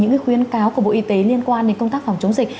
những khuyến cáo của bộ y tế liên quan đến công tác phòng chống dịch